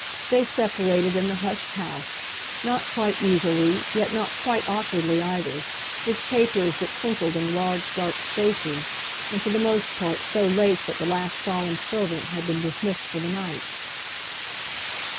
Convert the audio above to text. They separated, in the hushed house, not quite easily, yet not quite awkwardly either, with tapers that twinkled in the large dark spaces, and for the most part so late that the last solemn servant had been dismissed for the night.